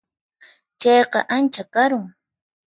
Chayqa ancha karun.